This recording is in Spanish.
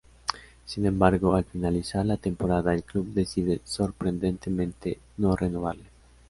Sin embargo, al finalizar la temporada el club decide sorprendentemente no renovarle.